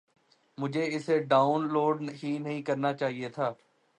مجھے اسے download ہی نہیں کرنا چاہیے تھا